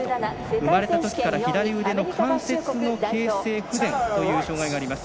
生まれたときから左腕の関節の形成不全という障がいがあります。